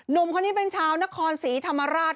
หนุ่มคนนี้เป็นชาวนครศรีธรรมราช